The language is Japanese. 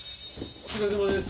お疲れさまです。